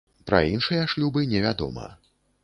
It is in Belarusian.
Пра іншыя шлюбы не вядома.